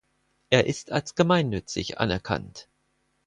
Er ist als gemeinnützig anerkannt.